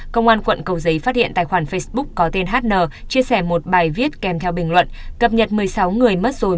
công an quận cầu giấy phát hiện tài khoản facebook có tên hn chia sẻ một bài viết kèm theo bình luận cập nhật một mươi sáu người mất rồi